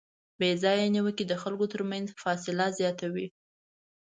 بېځایه نیوکه د خلکو ترمنځ فاصله زیاتوي.